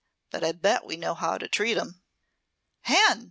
But I bet we know how to treat 'em." "Hen!"